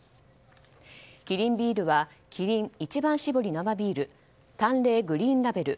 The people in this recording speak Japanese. キリンビールはキリン一番搾り生ビール淡麗グリーンラベル